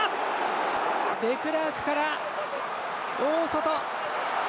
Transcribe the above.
デクラークから大外。